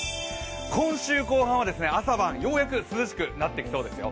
今週後半は、朝晩ようやく涼しくなってきそうですよ。